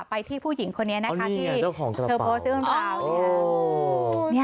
สวัสดีสวัสดีสวัสดีสวัสดีสวัสดีสวัสดี